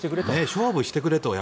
勝負してくれと。